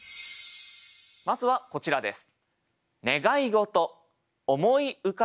まずはこちらです。